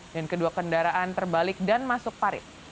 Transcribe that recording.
dan kedua kendaraan terbalik dan masuk pariwisata